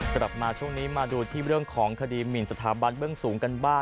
กลับมาช่วงนี้มาดูที่เรื่องของคดีหมินสถาบันเบื้องสูงกันบ้าง